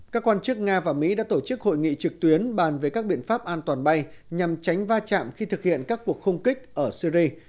các quan chức nga và mỹ đã tổ chức hội nghị trực tuyến bàn về các biện pháp an toàn bay nhằm tránh va chạm khi thực hiện các cuộc không kích ở syri